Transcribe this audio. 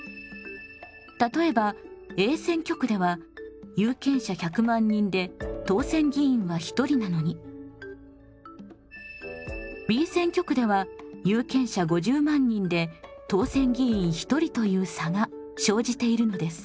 例えばＡ選挙区では有権者１００万人で当選議員は１人なのにＢ選挙区では有権者５０万人で当選議員１人という差が生じているのです。